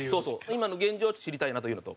今の現状を知りたいなというのと。